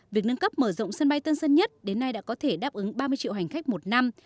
việc nâng cấp mở rộng sân bay tân sơn nhất đến nay đã có thể đáp ứng ba mươi triệu hành khách một năm